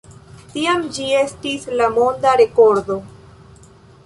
Tiam ĝi estis la monda rekordo.